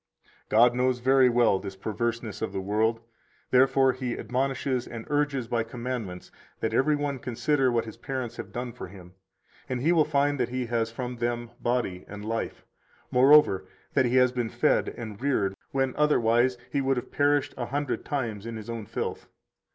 129 God knows very well this perverseness of the world; therefore He admonishes and urges by commandments that every one consider what his parents have done for him, and he will find that he has from them body and life, moreover, that he has been fed and reared when otherwise he would have perished a hundred times in his own filth.